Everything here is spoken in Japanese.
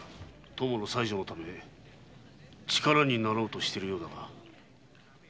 友の妻女の力になろうとしているようだが。